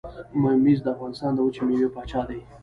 ممیز د افغانستان د وچې میوې پاچا دي.